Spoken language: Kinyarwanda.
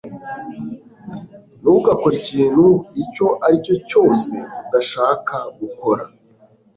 Ntugakore ikintu icyo ari cyo cyose udashaka gukora